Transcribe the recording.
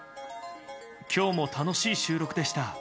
きょうも楽しい収録でした。